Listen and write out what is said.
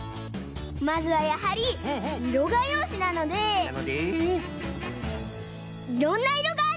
まずはやはりいろがようしなので「いろんないろがある」です。